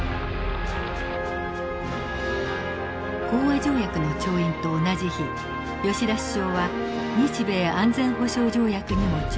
講和条約の調印と同じ日吉田首相は日米安全保障条約にも調印。